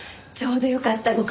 ちょうどよかった。